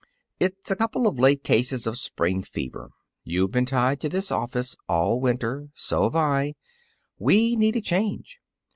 "It's a couple of late cases of spring fever. You've been tied to this office all winter. So've I. We need a change.